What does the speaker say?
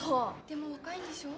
でも若いんでしょ？